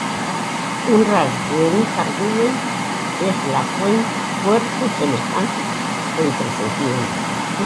Un rasgo de un cardumen es la fuerte semejanza entre sus miembros.